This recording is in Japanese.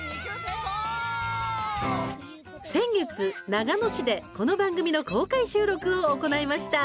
先月、長野市でこの番組の公開収録を行いました。